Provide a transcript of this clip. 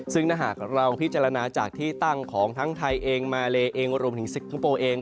ซึ่งถ้าหากเราพิจารณาจากที่ตั้งของทั้งไทยเองมาเลเองรวมถึงสิงคโปร์เอง